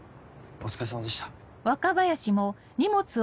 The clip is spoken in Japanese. お疲れさまでした。